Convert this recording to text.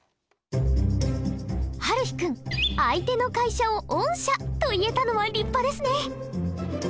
はるひ君相手の会社を「御社」と言えたのは立派ですね。